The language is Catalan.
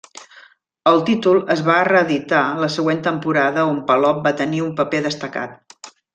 El títol es va reeditar la següent temporada on Palop va tenir un paper destacat.